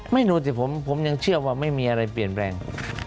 ไม่รู้สิผมยังเชื่อว่าไม่มีอะไรเปลี่ยนแปลง